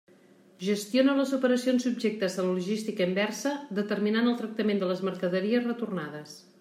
Gestiona les operacions subjectes a la logística inversa, determinant el tractament de les mercaderies retornades.